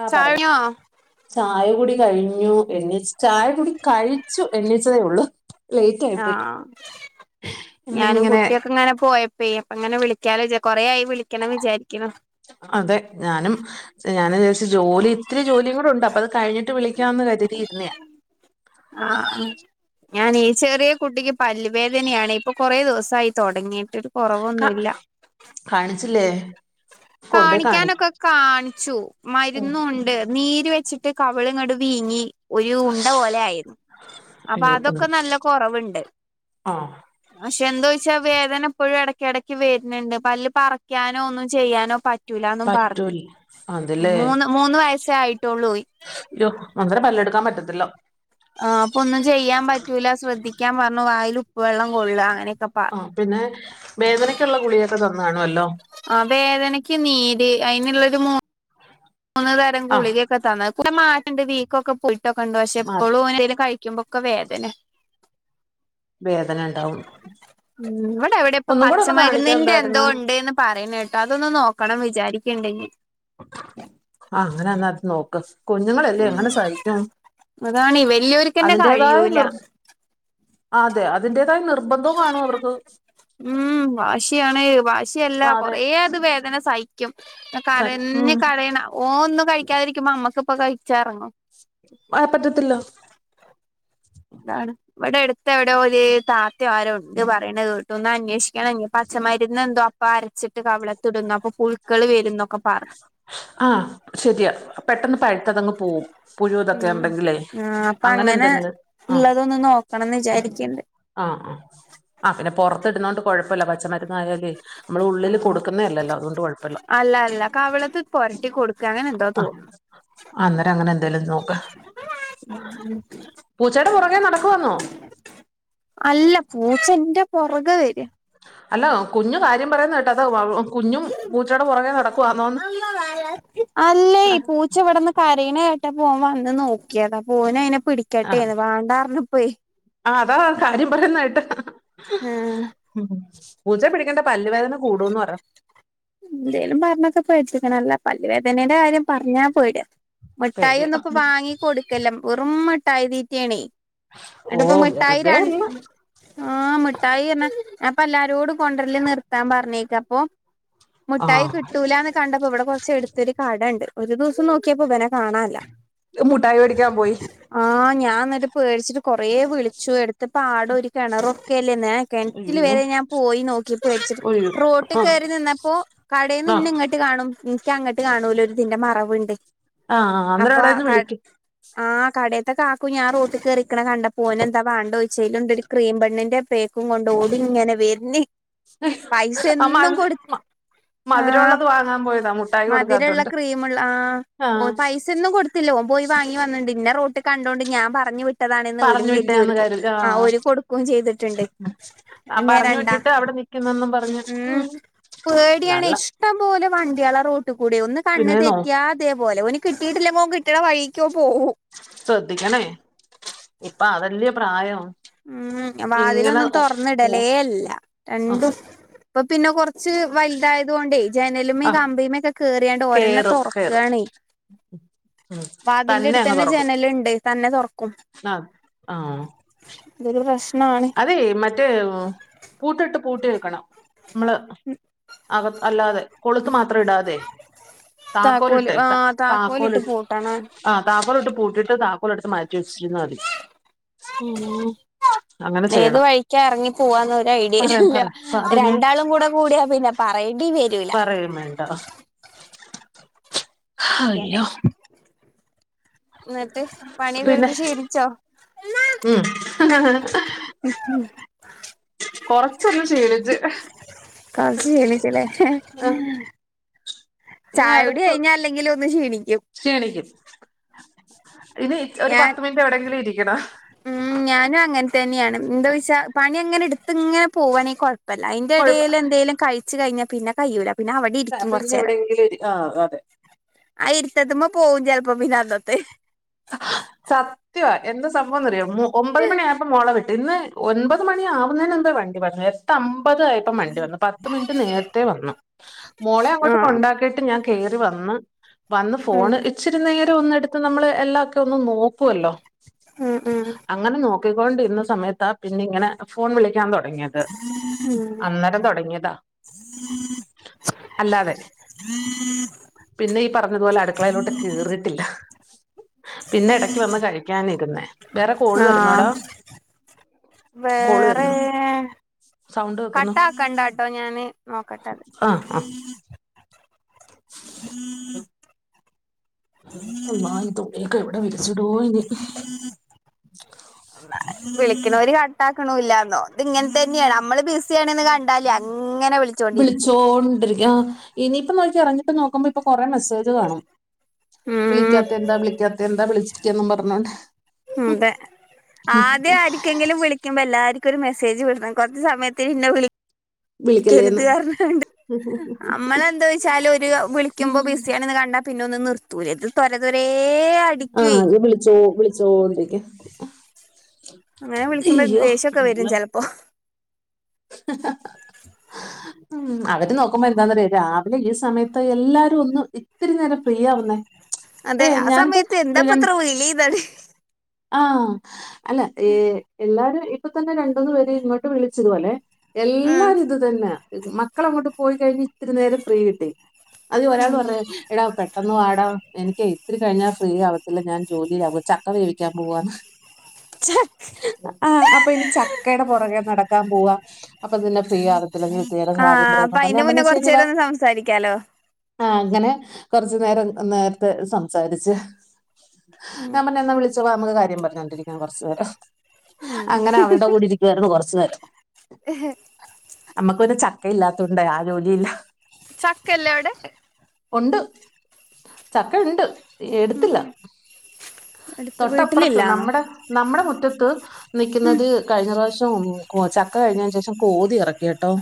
ആ പറഞ്ഞോ ചാഴഞ്ഞോ ചായ കൂടി കഴിഞ്ഞു എണീച്ച്ചായ കൂടി കഴിച്ചു എണ്ണിച്ചതേ ഒള്ളൂ ആഹ് ഞാനും ഇന്നിങ്ങനെ കുട്ടിയൊക്കെ ഇങ്ങനെ പോയ [unintelligible] അങ്ങനെ വിളിക്കാ കൊറെ ആയി വിളിക്കണം വിചാരിക്കുണു അതെ ഞാനും ഞാൻ വിജാരിച്ച് ജോലി ഇത്തിരി ജോലിയും കൂടെ ഉണ്ട് അപ്പൊ അത് കഴിഞ്ഞി ട്ട് വിളിക്കാന്ന് കരുതിയിരുന്നേ ആഹ് ആഹ് ഞാനീ ചെറിയ കുട്ടിക്ക് പല്ലുവേദനയാണ് ഇപ്പൊ കൊറേ ദിവസയി തൊടങ്ങീട്ട്. കാ കാണിച്ചില്ലേ? കൊണ്ട് കാണി കാണിക്കാനൊക്കെ കാണിച്ചു ഉം മരുന്നു ഒ നീര് വെച്ചിട്ട് കവള്ഇങ്ങട് വീങ്ങി ഒരു ഉണ്ട പോലെ ആയി അപ്പൊ അയ്യോ ഒന്ന് അതൊക്കെ നല്ല കൊറവുണ്ട്. ആഹ് പക്ഷെ എന്താചോയ്ച്ചാ വേദന ഇപ്പോഴും എടക്കിടക്ക് വരുന്നുണ്ട് പല്ല് പറിക്കാനോ ഒന്നും ചെയ്യാനോ പറ്റൂലന്നും പറഞ്ഞു പറ്റൂല അതല്ലേ മൂന്ന് മൂന്ന് വയസേ ആയിട്ടൊള്ളൂ അയ്യോ അന്നേരം പല്ലെടുക്കാൻ പറ്റത്തില്ല. ആ അപ്പൊന്നും ചെയ്യാൻ പറ്റൂല്ല ശ്രദ്ധിക്കാൻ പറഞ്ഞു വായിൽ ഉപ്പ് വെള്ളം കൊള്ള അങ്ങനെയൊക്കെ പ ആ പിന്നെ വേധനയ്ക്കുള്ള ഗുളികക്കെ തന്നാണ് വല്ലോ? ആ വേധനയ്ക്ക് നീര് അയ്ന്ള്ളര് മൂ മൂന്ന് തരം ആഹ് ഗുളികയൊക്കെ തന്ന് ഇപ്പല്ലെ മാറ്റണ്ട് വീക്കൊക്കെ പോയിട്ടൊക്കെണ്ട് പക്ഷെ മാ ഇപ്പഴും ഓന് എന്തേലും കഴി കഴിക്കുമ്പൊക്കെ വേധന വേധനണ്ടാവും ഉം വടെ എവ്ടെ ഇപ്പ പച്ചമരുന്നിന്റെ എന്തോ എന്തായിരുന്ന് ഉണ്ട്ന്ന് പറയ്ണേട്ടു അതൊന്ന് നോക്കണം വിചാരിക്ക്ണ്ട് ഞ്ഞി ആ അങ്ങനെന്ന അത് നോക്ക് കുഞ്ഞുങ്ങളെല്ലേ എങ്ങനെ ഉം സഹിക്കും അതാണ് വലിയോര്ക്കന്നെ അതിന്റെതായ കഴിയൂല നിർ അതെ അതിന്റേതായ നിർബന്ധം കാണോ അവർക്ക് ഉം വാശിയാണ് വാശിയല്ല അതെ കൊറെേ അത് വേധന സഹി ക്കും കരഞ് ഉം കരയ്ണ ഓ ഒന്നും കഴിക്കാതിരിക്കുമ്പോ അമ്മക്ക് പ്പ കഴിച്ചാ എറങ്ങോ? ആ എ പറ്റത്തില്ല. ഇതാണ്. ഇവടട്ത്ത് എവ്ടെയോ ഒര് താത്തയോ ആരോണ്ട് പറിണകേട്ടു ഒന്ന് അന്വേഷിക്കണഞ്ഞി പച്ചമരുന്ന് എന്തോ അപ്പ അരച്ചിട്ട് കവിളത്ടുംന്ന് അപ്പൊ പുഴുക്കള് വരുന്നൊക്കെ പറ ആ ശരിയാ പെട്ടെന്ന് പഴുത്ത അതങ്ങ് പോവും. പുഴുതൊക്കെ ഉം ഉണ്ടെങ്കിലേ ആ അപ്പൊ അങ്ങനെ എന്തെങ്കിലും ആ ഉള്ളതൊന്ന് നോക്കണംന്ന് വിചാരിക്കിണ്ട്. ആ ആ ആ പിന്നെ പൊറത്ത് ഇടുന്നോണ്ട് കൊഴപ്പല്ല പച്ചമരന്ന് ആയാലോയ് നമ്മള് ഉള്ളില് ആഹ് കൊടുക്കുന്നേ അല്ലല്ലോ അതുകൊണ്ട് കൊഴ്പ്പല്ല. അല്ല അല്ല കവിളത്ത് പൊരട്ടി കൊടുക്ക അങ്ങനെ എന്തോ അ തോന്നുന്നു അന്നേരം അങ്ങനെന്തേലും നോക്ക്. പൂച്ചയുടെ പുറകേ നടക്കുവാന്നോ. അല്ല പൂച്ചന്റെ പൊറകെ വര. അല്ലോ കുഞ് കാര്യം പറയുന്നകെട്ട് അതാ വഹ് വഹ് കുഞ്ഞും പൂച്ചടെ പുറകേ നട ആ അല്ലേയ് പൂച് ച്ച ഇവിടന്ന് കരയ്ണേട്ടപ്പോ ഓൻ വന്ന് നോക്കിയതാ അപ്പൊ ഓനയ്നെ ആഹ് പിടിക്കട്ടേന്ന് വാണ്ടർഞ്ഞപ്പൊയ്. ആ അതാ കാര്യം പറയുന്നേട്ടു ആഹ് ഉം പൂച്ചെ പിടിക്കണ്ട പല്ല്‌വേധന കൂടൂന്ന് പറ. എന്തേലും പർഞ്ഞൊക്കെ [unintelligible] അല്ലാ പല്ല് വേധനേന്റെ കാര്യം പർഞ്ഞാ പേട്യ മിഠായി പേടിയ ഒന്നും ഇപ്പോ വാങ്ങി കൊടുക്കല്ല വെറും മിഠായി തീറ്റാണേയ് ഓ എട്പ്പം മിട്ടായി വെറുതെ രണ്ട് അല്ല ആ മിഠായിർഞ ഞാപ്പ എല്ലാരോടും കൊണ്ടര്ല് നിർത്താൻ പറഞ്ഞേക്കപ്പോ. മുട്ടായി ആഹ് കിട്ടൂലാന്ന് കണ്ടപ്പോ ഇവിടെ കുറച്ച്ട്ത്തൊരു കടണ്ട് ഒരു ദിവസം നോക്കിയപ്പോ ഇവനെ കാണാല്ല. ല് മുട്ടായി വേടിക്കാൻപോയി. ആ ഞാൻ ന്ന്ട്ട് പേട് ച്ച്ട്ട് കൊറേ വിളിച്ചു എടുത്ത്പാടും ഒരു കെണറും ഒക്കെ അല്ലന്നേ കെൺറ്റില് അയ്യോ വരെ ഞാൻ പോയി നോക്കി പേട്ച്ചിട്ട് അയ്യോ ആഹ് റോട്ടികേറിനിന്നപ് പ്പൊ കടേന്ന് ന്നെ ആഹ് ഇൻങ്ങട്ട് കാണും ഇൻക്കങ്ങട്ട് കാണൂല ഒര്തിന്റെ മറവ്ണ്ട്. ആഹ് അന്നേരം അപ്പൊ ആ അവിടെന്ന് കട് വിളിക്ക് ആ കടേത്തെ കാക്കു ഞാൻറേട്ട് കേറിക്കണ കണ്ടപ്പോ ഒനെന്താവാണ്ടോയ്ച് ചേലുണ്ട് ഒരു ക്രീം ബണ്ണിന്റെ പേക്കും കൊണ്ട് ഓടിങ്ങനെ വര്ന്. ആ പൈസന്നും മധു കൊട്. ആ മധുരമുള്ളത് വാങ്ങാൻ പോയതാ മുട്ടായി മധുരള്ള കൊടുക്കാത്തോണ്ട് ക്രീംമ്ള്ള ആ ഓ ആഹ് പൈസന്നും കൊട് ത്തില്ല ഓ പോയി വാങ്ങി വന്ന്ണ്ട് ഇന്നെറോട്ട് കണ്ടോണ്ട് ഞൻ പറഞ്ഞിവിട്ട്. ട്ടതാണെന്ന് ഓലും പറഞ്ഞു കര്തി വിട്ടയാന്ന് ഓല് കൊ കരുതി ആ ആഹ് ഓല് കൊടുക്കും ചെയ്ത്ട്ട്ണ്ട് ന്നെ രണ്ടാ കിന്നന്നും പറഞ് ഉം പേടിയാണ് നല്ല ഇഷ്ടം പോലെ വണ്ടിയള റോട്ട്കൂടെ ഒന്ന് കണ്ണ് പിന്നെ നോ തെറ്റിയ ഇതേപോലെ ഓല് കിട്ടിയിട്ടില്ലേ മോൻ കിട്ടണ വഴീക്കോ പോവും. ശ്രദ്ധിക്കണേ ഇപ്പൊ അതല്ലേ പ്രായം ഉം ഇങ്ങനെ വാതിലൊന്നും ഓ ഓ തൊറന്നിടലേല്ല ആഹ് രണ്ടും. ഇപ്പൊ പിന്നെ കൊറച്ച് വലുതായതോണ്ടേ ജനലുമ്മെ ആഹ് കമ്പിമെക്കെ. കേറിയാണ്ട് ഓരെന്നെ കേറും കേറും തൊറക്കാണേ. [inaudible] തന്നെ വാതില്ന്റെടുത്തന്നെ ജനല്ണ്ട് തന്നെ തുറക്കും. ഹാ ആ ഇതൊരു പ്രശ്നാണ്. അതെ മറ്റേ പൂട്ടിട്ട് പൂട്ടി വെക്കണം. മ്മ്ള് അവ അല്ലാതെ കൊളുത്ത് മാത്രം ഇടാതെ താക്കോല് ആ താക്കോലിട്ടേക്ക താക്കോലിട്ട് താക്കോല്. പൂട്ടണം ആ താക്കോലിട്ട് പൂട്ടിട്ട് താക്കോലെടുത്ത് മാറ്റി വെച്ചിരുന്ന മതി ഉം മ്മ് അങ്ങനെ ഏത് ചെയ്യണം വഴിക്കാഎറങ്ങി പോവാന്നൊരായിടെ പറയാം ഇല്ല പറയാം പിന്നെ രണ്ടാളും കൂടെ കൂടിയ പിന്നെ പറയേണ്ടി വരൂ പറയേം വേണ്ട ഹയ്യോ ഇന്നിട്ട് പണിയൊക്കെ പിന്നെ ഇട്ത്ത് ക്ഷീണിച്ചോ ഉം ഉം ഹും കൊറച്ചൊന്ന് ഷീണിച്ച് കൊറച്ച് ക്ഷീണിച്ചലേ? ഇനി ചായ കുടി അടുത്ത് കഴിഞ്ഞാ അല്ലെങ്കിലും ഒന്ന് ക്ഷീണിക്കും ക്ഷീണിക്കും ഇനി ഒരു ഞാൻ പത്ത് മിനിറ്റ് എവടെങ്കിലും ഇരിക്കണം ഉം ഞാനും അങ്ങൻ തന്ന്യാണ് എന്തോയ്ച്ചാ പണി അങ്ങനെ ഇട്ത്ത് ങ്ങനെ പോവാണേ കൊഴ പ്പല്ല ഐന്റെ കൊഴപ്പ എടേലെ ന്തേലും കഴിച്ചു കഴിഞ്ഞാ പിന്നെ കയ്യൂല പിന്നെ അവ ടിരിക്കും പിന്നെ കൊറച്ചേരം എവിടെയെങ്കിലും ഒരു ആ അതെ ആ ഇര്ത്തത്ത്മ്മെ പോകും ചെലപ്പോ പിന്ന അന്നത്തെ സത്യവാ എന്താ സംഭവ ന്നറിയോ ഒമ്പത് മണി ആയപ്പോ മോളെ വിട്ട് ഇന്ന് ഒൻപത് മണി ആവുന്നെ മുമ്പ് വണ്ടി വന്നു എട്ട അമ്പത് ആയി പ്പം വണ്ടി വന്നു പത്ത് മിനിറ്റ് നേരത്തെ വന്നു മോളെ അങ്ങോട്ട് ആഹ് കൊണ്ടാക്കീട്ട് ഞാൻ കേറി വന്ന് വന്ന് ഉം ഫോണ് ഇച്ചിരി നേരം ഒന്നെട്ത്ത് നമ്മള് എല്ലാ ഒക്കെ ഒന്ന് നോക്കുവല്ലോ ഉം ഉം അങ്ങനെ നോ ക്കി കൊണ്ടിര്ന്ന സമയത്താ പിന്നെ ഇങ്ങനെ ഫോൺ വിളിക്കാൻ തൊടങ്ങിയത് ഉം അന്നേരം തൊടങ്ങിയതാ അല്ലാതെ പിന്നെ ഈ പറഞ്ഞതുപോലെ അട്ക്കളയിലോട്ട് കേറീട്ടില്ല പിന്നെ എടക്ക് വന്ന് കഴിക്കാനിര്ന്നേ വേറെ കോള് വെരുന്നോടോ വേറേ സൗണ്ട് വെക്കുന്നു കട്ടാക്കണ്ടാട്ടോ ഞാന് നോക്കട്ടെ ആ ആ അള്ളാ ഇതൊക്കെ ഇത് എവിടെ വിരിച്ചിടോ ഇനി [inaudible] വിളിക്ക്ണോര് കട്ടാക്ക്ണൂല്ലാന്നോ ഇത് ഇങ്ങൻ തന്നേണ് നമ്മള് ബിസി ആണ്ന്ന് കൺ ണ്ടാല് അങ്ങനെ വിളി വിളിച്ചോണ്ടിരിക്കും ആ ഇനീപ്പൊ നോക്കിക്കോ ഇറഞ്ഞിട്ട് നോക്കുമ്പോ ഇപ്പ കൊറെ മെസ്സേജ് കാണും ഉം വിളിക്കാത്തെന്താ വിളിക്കാത്തെ ന്താ വിളിച്ചിക്കേന്നും പറഞ്ഞോണ്ട് ഉം തെ ആദ്യ ആരി ക്കെങ്കിലും വിളിക്കുമ്പോ എല്ലാര്ക്കൊര് മെസേജ് വിടണം കൊർച്ച് സമയത്തിന് ഇന്നെ വിളി ക്കര്ത് വിളിക്കല്ലേന്ന് പർഞ്ഞ്ങ്ങാണ്ട്അമ്മളെ ന്തേയ്ച്ചാല് ഓര് വിളിക്ക്മ്പോ ബിസ്യാണ്ന്ന് കണ്ടാ പിന്നൊന്ന് നിർത്തൂലെ ത് തൊര തൊരേയ ആഹ് അത് വിളിച്ചോ വിളിച്ചോണ്ടിരിക്കും അങ്ങനെ വിളിക്കുമ്പോ ദേഷ്യൊക്കെ വരും ചെലപ്പോ ഉം അവര് നോക്കുമ്പോ എന്താന്നറിയോ രാവിലെ ഈ സമയത്ത് എല്ലാരു ഒന്ന് ഇത്തിരി നേരം ഫ്രീ ആവുന്നേ അതെ ഏഹ് ആ സമയത്ത് എന്താ പ്പത്ര വിളീന്നാണ് ആഹ് അല്ല ഏഹ് എല്ലാരും ഈ ഇപ്പ തന്നെ രണ്ടൂന്ന് പേര് ഇങ്ങോട്ട് വിളിച്ചിതു പോലെ എല്ലാരും ഉം. ഇത് തന്നാ മക്കളങ്ങോട്ട് പോയി കഴിഞ്ഞ് ഇത്തിരി നേരം ഫ്രീ കിട്ടി അതിൽ ഒരാള് പറയാ എടാ പെട്ടെന്ന് വാടാ എനിക്കേ ഇത്തിരി കഴിഞ്ഞാ ഫ്രീ ആവത്തില്ല ഞാൻ ജോലീലാവും ചക്ക വേവിക്കാൻ പോവാന്ന് ഛെ. ആഹ് അപ്പ ഇനി ചക്കേടെ പൊറകെ നടക്കാം പോവാം അപ്പ പിന്നെ ഫ്രീ ആവത്തില്ല നീ ഇത്തിരി നേരം ആ കാര്യം പറയെന്ന് പറഞ്ഞ് അപ്പൊ അതിന്റെ മുന്നേ ഞാൻപറഞ്ഞ് കുറച്ചു ശെരി വാ നേരം ഒന്ന് സംസാരിക്കാലോ ആഹ് അങ്ങനെ കൊറച്ച് നേരം നേരത്തെ സംസാരിച്ച് ഞാൻ ഉം. പറഞ്ഞു എന്നാ വിളിച്ചോളാം നമ്മക്ക് കാര്യം പറഞ്ഞോണ്ടിരിക്കാം കൊറച്ച് നേരം അങ്ങനെ അവരുടെ കൂടി ഇരിക്കു വാര്ന്നു കൊറച്ച് നേരം [unintelligible] നമ്മക്ക് പിന്നെ ചക്ക ഇല്ലാത്തോണ്ടേ ആഹ് ജോലിയില്ല ചക്കല്ലേ അവിടെ ഒണ്ട് ചക്ക ഉണ്ട് എടുത്തില്ല അടുത്ത് തൊട്ടപ്പുറത്ത് വീട്ടിലില്ലാന്നോ നമ്മുടെ നമ്മുടെ മുറ്റത്ത് നിക്കുന്നത് കഴിഞ്ഞ പ്രാവശ്യം ചക്ക കഴിഞ്ഞതിന് ശേഷം. കോതി എറക്കി കേട്ടോ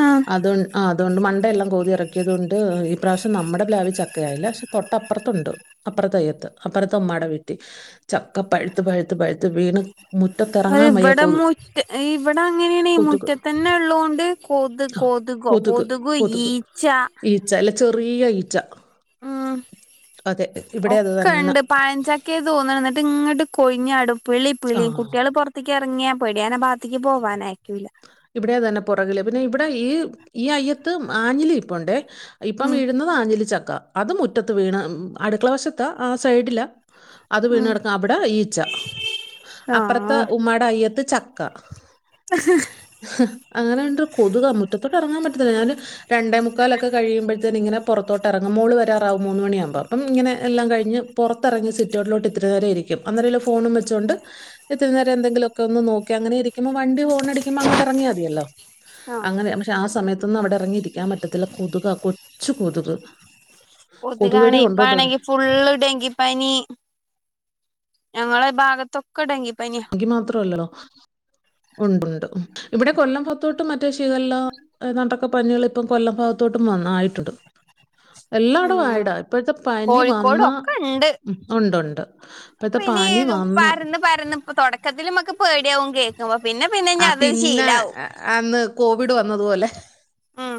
ആ അത് ആഹ് അതുകൊണ്ട് മണ്ടയെല്ലാം കോതിയിറക്കിയത് കൊണ്ട് ഈ പ്രാവശ്യം നമ്മുടെ പ്ലാവി ച്ചക്കയായില്ല പക്ഷെ തൊട്ടപ്പുറത്തുണ്ട്. അപ്പറത്തയ്യത്ത് അപ്പറത്തെ ഉമ്മാടെ വീട്ടിൽ ചക്ക പഴുത്ത് പഴുത്ത് പഴുത്ത് വീണ്. മുറ്റത്തെറ [unintelligible] ഇവിടെ അങ്ങനേണെ കൊതുക് മുറ്റത്തന്നെ ഉള്ളോണ്ട് കൊതു ആ, കൊതുക കൊതുക് ഈച്ച. ഈച്ച ല്ല ചെറിയ ഈച്ച ഉം അതെ ഇവിടേം അത് തന്ന പഴഞ്ചക്കേ തോന്നണ് ന്നിട്ട് ഇങ്ങോട്ട് കൊഴിഞ്ഞാടും പിള്ളിപ്പിളീം ആ കുട്ടികള് പൊറ ത്തേക്ക് എറങ്ങിയാ പേടിയാനാ ഭാഗത്തേക്ക് പോകാനയക്കൂല ഇവിടെ അതന്നെ പൊറകില് പിന്നെ ഇവിടെ ഈ ഈ അയ്യത്ത് ആഞ്ഞിലിപ്പോണ്ടേ ഇപ്പം ഉം വീഴുന്നത് ആഞ്ഞിലിച്ചക്ക അത് മുറ്റത്ത് വീണ് അടുക്കള വശത്തെ ആഹ് സൈഡിലാ അത് ഉം വീണെടക്കാ അവിടെ ഈച്ച അപ്പറത്തെ ആ ഉമ്മാടെ അയ്യത്ത് ചക്ക. [unintelligible] അങ്ങനെ ഉണ്ട് കൊതുകാ മുറ്റത്തോട്ട് എറങ്ങാൻ പറ്റത്തില്ല ഞാനൊരു രണ്ടേ മുക്കാലൊക്കെ കഴിയുമ്പൊഴത്തേന് ഇങ്ങനെ പൊറത്തോട്ടെറങ്ങും മോൾ വരാറാവും മൂന്ന്മണിയാവുമ്പോ അപ്പം ഇങ്ങെനെ എല്ലാം കഴിഞ്ഞ് പൊറത്തെറങ്ങി സിറ്റവ് ട്ടിലോട്ട് ഇത്തിരി നേരം ഇരിക്കും അന്നേരം ഇല്ല ഫോണും വെച്ചോണ്ട് ഇത്തിരി നേരം എന്തെങ്കിലു ഒക്കെ ഒന്ന് നോക്കി അങ്ങനേ ഇ രിക്കുമ്പോ വണ്ടി ഹോ ഹോണടിക്കുമ്പൊ അങ്ങോട്ട് എറങ്ങിയാ മതിയല്ലോ ആഹ് അങ്ങനെ പക്ഷെ ആ സമയത്ത്. ത്തൊന്നും അവിടെ ഇറങ്ങിയിരിക്കാൻ പറ്റത്തില്ല കൊതുക കൊച്ചു കൊതുക് കൊതുകാണ് കൊതുകടി കോണ്ടോണ്ടേ വന് ഇപ്പാണെങ്കി ഫുള്ള് ഡെങ്കിപ്പനി ഞങ്ങളെ ഭാഗത്തൊക്കെ ഡെങ്കി അഖി മാത്രല്ല ഉണ്ട് ണ്ട് ഇവിടെ കൊല്ലം പൊത്തോട്ടും മറ്റേ ക്ഷേ ഇതല്ലാം ഏതാണ്ടൊക്കെ പനി കൾ ഇപ്പം കൊല്ലം ഭാഗത്തോട്ടും വ ന്നായിട്ടുണ്ട് എല്ലാടവും ഉം ആയടാ ഇപ്പഴത്തെ പനി കോഴിക്കോടും വന്നാ ഉം ഉണ്ട്ണ്ട് പ്പം എണീക്കും പരന്ന് പരന്ന് പ്പം തൊടക്കത്തില് മ്മക്ക് പേടിയാവും കേ ആ പിന്നെ അന്ന് കോവിഡ് വന്നതുപോലെ ഉം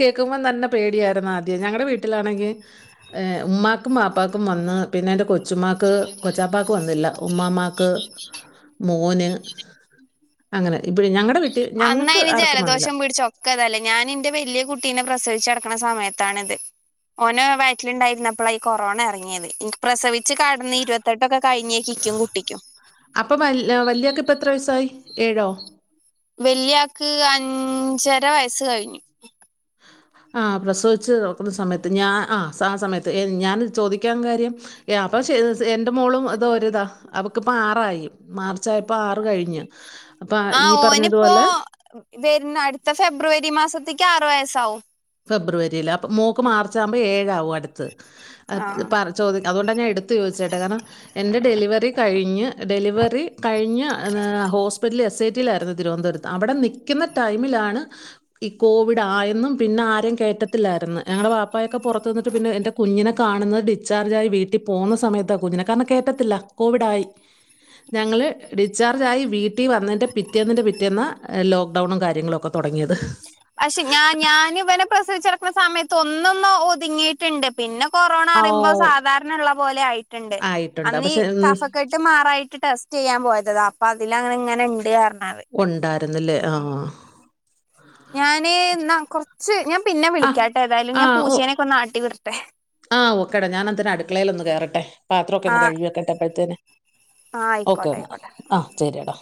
കേൾക്കുമ്പം തന്നെ പേടിയാര്ന്ന് ആദ്യം ഞങ്ങടെ വീട്ടിലാണെങ്കി ഉമ്മാക്കും വാപ്പക്കും വന്ന് പിന്നെ എന്റെ കൊച്ചുമ്മാക്ക് കൊച്ചാപ്പാക്ക് വന്നില്ല ഉമ്മാ മ്മാ ക്ക് മോന് അങ്ങനെ ഇപ്പഴേ ഞങ്ങടെ വീ അന്നയ്ന് ജലദോഷം പിടിച്ചാ ഒ ക്കതല്ലേ ഞാന് ഇന്റെ വല്ല്യ കുട്ടീനെ പ്രസവിച്ചട്ക്ക്ണ സമയത്താണ്ത് ഓന് വയറ്റിലുണ്ടായിര് ന്ന പ്പളാ ഈ കൊറോണ ഇറങ്ങിയത് ഇൻക്ക് പ്രസവിച്ചു കെട്ന്ന് ഇരുപത്തെട്ടൊക്കെ കഴിഞ്ഞ് ഇ ക്കും കുട്ടിക്കും. അപ്പം വൽ വല്യാക്ക് ഇപ്പം എത്ര വയസ്സായി ഏഴോ വല്യാക്ക് അഞ്ചര വയസ്സ് കഴിഞ്ഞു ആ പ്രസവിച്ച് നോക്കുന്ന സമയത്ത് ഞാൻ ആ സ ആ സമയത്ത് ഞാനത് ചോദിക്കാൻ കാര്യം ഏ അപ്പൊ ശരി എന്റെ മോളും ഇത് ഒര്താ അവക്ക് പ്പോ ആറായി മാർച്ച് ആയപ്പോ ആറ് കഴിഞ്ഞ് അപ്പ ആ ഈ ഓനിപ്പോ പറഞ്ഞതുപോലെ വരുന്ന അടുത്ത ഫെബ്രുവരി മാസത്തേക്ക് ആറു വയസ്സാവും. ഫെബ്രുവരിയില് അപ്പം മോൾക്ക് മാർച്ച് ആകുമ്പം ഏഴാകും അടുത്ത് ആഹ് പർ ചോദ് അതുകൊണ്ടാ ഞാ എടുത്ത് ചോദിച്ചേട്ടെ കാരണം എന്റെ ഡെലിവറി കഴിഞ്ഞ് ഡെലിവറി കഴിഞ് ഹോസ്പിറ്റൽ എസ് ഐ ടി യിലായിരുന്നു തിരുവനന്തപുരത്ത് അവിടെ നി ക്കുന്ന ടൈമിലാണ് ഈ കോവിഡ് ആയെന്നും പിന്നെ ആരേ കയറ്റത്തില്ലായിരുന്നു ഞങ്ങളുടെ വാപ്പായൊക്കെ പുറത്ത് നിന്നിട്ട് പിന്നെ എൻ്റെ കുഞ്ഞിനെ കാണുന്നത് ഡിസ്ചാർജ് ആയി വീട്ടിൽ പോന്ന സമയത്താ കുഞ്ഞിനെ കാരണം കേറ്റത്തില്ല കോവിഡായി ഞങ്ങള് ഡിസ്ചാർജയി വീട്ടി വന്നെന്റെ പിറ്റേന്നിന്റെ പിറ്റേന്ന് ലോക്ക്ഡൗണും കാര്യങ്ങളും ക്കെ മ് പക്ഷെ ഞാൻ ഞാന് ഇവനെ പ്രസവിച്ചട്ക്ക്ണസമയത്ത് ഒന്നന്ന് ഒതുങ്ങി ട്ട്ണ്ട് പിന്നെ കൊറോണ ആ അറിയുമ്പോ ഓ സാധാരണ ഉള്ള പോലെ ആയിട്ടുണ്ട് ആയിട്ടുണ്ട്. അന്ന് ഈ പക്ഷെ ഉം കഫക്കെട്ട് മാറായിട്ട് ടെസ്റ്റ് ചെയ്യാൻ പോയത താ അപ്പൊ അതില് അങ്ങനെ ഇങ്ങനെ ഇണ്ട് അറിഞ്ഞത് ഉണ്ടായിരുന്നില്ലേ ആഹ് ഞാന് ന്നാ കൊറ്ച്ച് ഞാൻ പിന്നെ ആഹ്. വിളിക്കാട്ടെ ഏതായാലും ഞാൻ പൂച്ചേനെക്കെ ഒന്ന് ആട്ടി വിടട്ടെ ആ ഓക്കേ ഡാ ഞാൻ അതിന് അടുക്കളയിലൽ ഒന്ന് കേറട്ടെ പാത്രൊക്കെ ഒന്ന് ആഹ് കഴുകി വക്കട്ടെ അപ്പഴത്തേന് ആഹ് ഓക്കെ ആയിക്കോട്ടെ ന്നാ ആയിക്കോട്ടെ ആഹ് ശരി ടാ